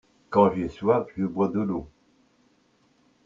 quand j'ai soif je bois de l'eau.